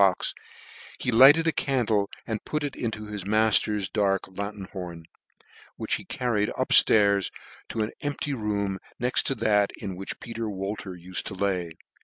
box, he lighted a candle, and put it into his mailer's dark lanthorn, which he carried up flairs, to an empty room next to that in which Peter Wolter ufed to lay.